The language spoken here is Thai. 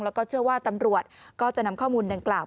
แล้วก็เชื่อว่าตำรวจก็จะนำข้อมูลดังกล่าว